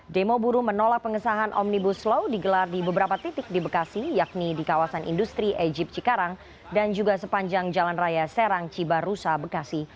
demo buruh menolak pengesahan omnibus law digelar di beberapa titik di bekasi yakni di kawasan industri ejip cikarang dan juga sepanjang jalan raya serang cibarusa bekasi